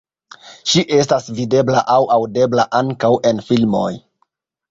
Ŝi estas videbla aŭ aŭdebla ankaŭ en filmoj.